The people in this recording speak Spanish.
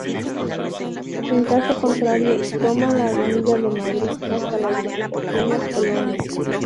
En caso contrario, toma la Avenida de Madrid hasta la Urbanización Las Colinas.